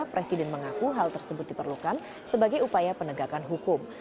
presiden mengaku hal tersebut diperlukan sebagai upaya penegakan hukum